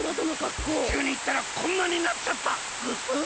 地球にいったらこんなになっちゃったぐすん。